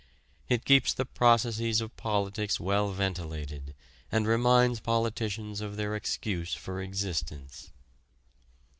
It keeps the processes of politics well ventilated and reminds politicians of their excuse for existence.